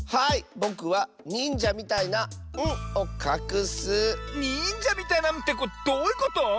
ぼくはにんじゃみたいな「ん」をかくッス！にんじゃみたいな「ん」ってどういうこと？